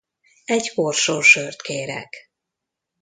Egy korsó sört kérek.